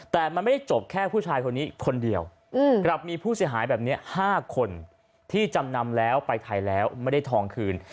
แต่มันไม่คนเดียวก็มีผู้เสียหายแบบนี้๕คนที่จำนำแล้วไปถ่ายแล้วไม่ได้ทองคืน